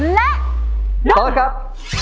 และยก